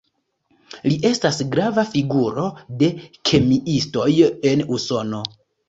Li estas grava figuro de kemiistoj en Usono.